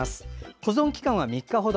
保存期間は３日ほど。